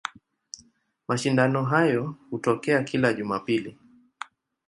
Mashindano hayo hutokea kila Jumapili.